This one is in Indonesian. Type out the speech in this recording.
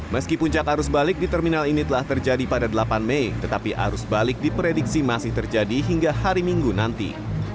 meski puncak arus balik di terminal ini telah terjadi pada delapan mei tetapi arus balik diprediksi masih terjadi hingga hari minggu nanti